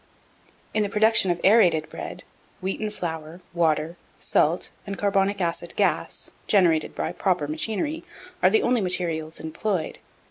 1680. In the production of Aërated Bread, wheaten flour, water, salt, and carbonic acid gas (generated by proper machinery), are the only materials employed.